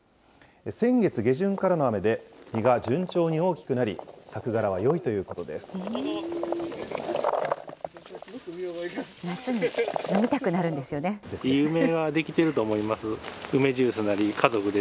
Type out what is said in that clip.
先月下旬からの雨で、実が順調に大きくなり、作柄はよいというこ夏に飲みたくなるんですよね。